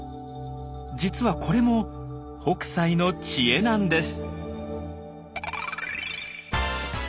実はこれも北斎の知恵なんです。